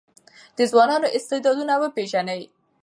د ځوانانو استعدادونه وپېژنئ.